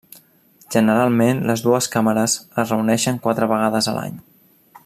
Generalment les dues càmeres es reuneixen quatre vegades a l'any.